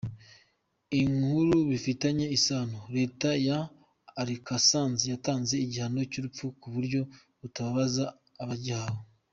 Inkuru bifitanye isano: Leta ya Arkansas yatanze igihano cy’urupfu mu buryo butababaza abagihawe.